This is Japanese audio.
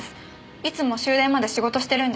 いつも終電まで仕事してるんで。